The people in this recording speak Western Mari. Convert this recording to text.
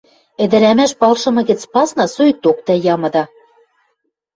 ӹдӹрӓмӓш палшымы гӹц пасна соикток тӓ ямыда.